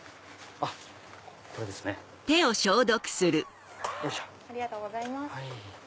ありがとうございます。